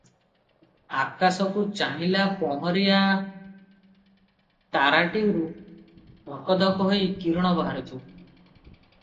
ଆକାଶକୁ ଚାହିଁଲା, ପହରିକିଆ ତାରାଟିରୁ ଧକ ଧକ ହୋଇ କିରଣ ବାହାରୁଛି ।